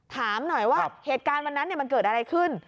ถามหน่อยว่าเหตุการณ์วันนั้นมันเกิดอะไรขึ้น